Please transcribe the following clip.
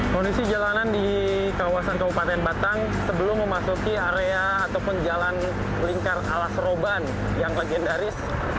kondisi jalanan di kawasan kabupaten batang sebelum memasuki area ataupun jalan lingkar alas roban yang legendaris